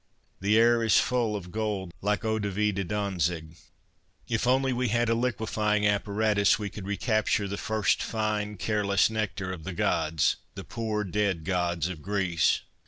The air is full of gold like eau de vie de Dantzic ; if we only had a liquefying apparatus, we could recapture the first fine careless nectar of the gods, the poor dead gods of Greece.